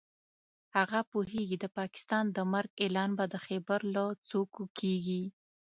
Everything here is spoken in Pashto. هغه پوهېږي د پاکستان د مرګ اعلان به د خېبر له څوکو کېږي.